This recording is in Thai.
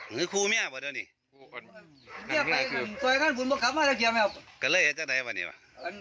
หือคูมี่อ่ะเดี๋ยวนี่เรียกไปกันต่อยกันพูดบอกครับว่าจะเกี่ยวไม่เอา